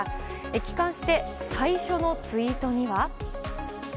帰還して最初のツイートには。